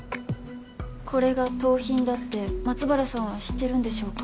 これが盗品だって松原さんは知ってるんでしょうか？